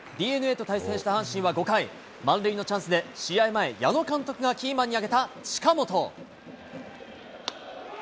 ＤｅＮＡと対戦した阪神は５回、満塁のチャンスで、試合前、矢野監督がキーマンに挙げた近本。